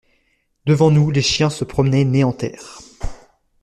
Devant nous les chiens se promenaient nez en terre.